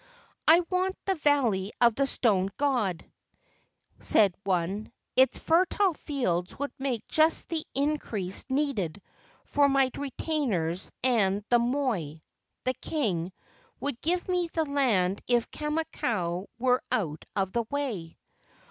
"I want the valley of the stone god," said one: "its fertile fields would make just the increase needed for my retainers, and the 'moi,' the king, would give me the land if Kamakau were out of the way."